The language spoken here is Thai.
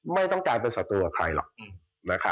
ไม่ต้องการเป็นศัตรูกับใครหรอก